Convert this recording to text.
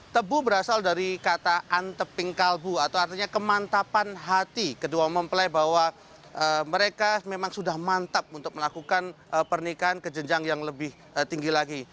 tebu berasal dari kata anteping kalbu atau artinya kemantapan hati kedua mempelai bahwa mereka memang sudah mantap untuk melakukan pernikahan ke jenjang yang lebih tinggi lagi